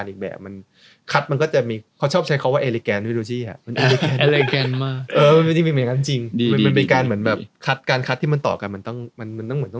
เหมือนแบบคัทการคัทที่ต่อกันมันต้องมีสุขอะ